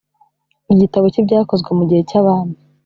Igitabo cy ibyakozwe mu gihe cy abami